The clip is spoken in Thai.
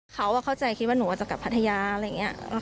เขาเข้าใจคิดว่าหนูอาจจะกลับพัทยาอะไรอย่างนี้